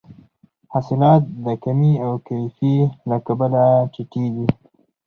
حاصلات د کمې او کیفي له کبله ټیټیږي.